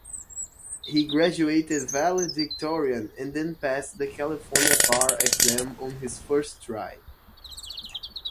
He graduated valedictorian and then passed the California bar exam on his first try.